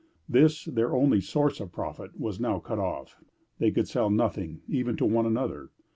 This, their only source of profit, was now cut off; they could sell nothing, even to one another.